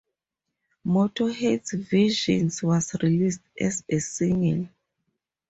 Motorhead's version was released as a single.